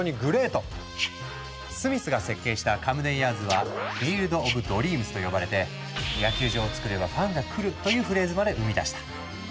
スミスが設計したカムデンヤーズは「フィールドオブドリームス」と呼ばれてというフレーズまで生み出した。